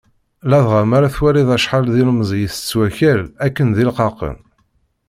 Ladɣa mi ara twaliḍ acḥal d ilemẓi i itett wakal akken d ileqqaqen.